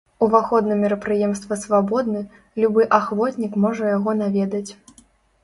Уваход на мерапрыемства свабодны, любы ахвотнік можа яго наведаць.